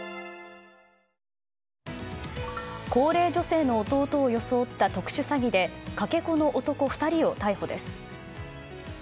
高齢女性の弟を装った特殊詐欺でかけ子の男２人を逮捕です。